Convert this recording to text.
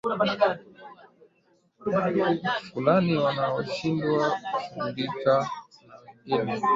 fulani wanaoshindwa kushughulika na wengine